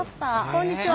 こんにちは。